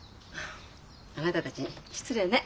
あなたたちに失礼ね。